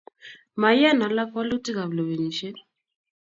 Maiyan alak walutik ab lewenisiet